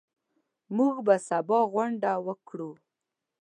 موږ به سبا غونډه وکړو.